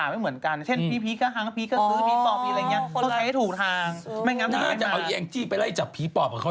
คือเป็นผู้เชี่ยวชาญทั้งด้านผีปลอบเลยค่ะ